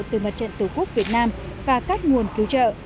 từ mặt trận tổ quốc việt nam và các nguồn cứu trợ